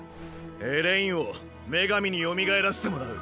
エレインを女神によみがえらせてもらう。